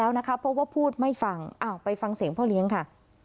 เพราะว่าพูดไม่ฟังไปฟังเสียงพ่อเลี้ยงค่ะ